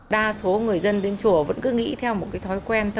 đa số người dân đến chùa vẫn cứ nghĩ theo một cái thói quen thôi